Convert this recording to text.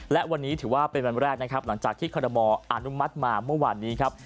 และวันนี้ถือว่าเป็นวันแรกนะครับหลังจากที่คอรมออนุมัติมาเมื่อวานนี้ครับ